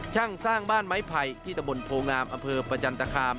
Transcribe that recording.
สร้างบ้านไม้ไผ่ที่ตะบนโพงามอำเภอประจันตคาม